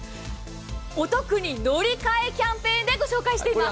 お得に乗り換えキャンペーンでご紹介しています。